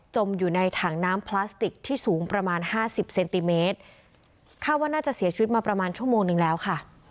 อยู่ในถังน้ำพลาสติกที่สูงประมาณห้าสิบเซนติเมตรคาดว่าน่าจะเสียชีวิตมาประมาณชั่วโมงนึงแล้วค่ะ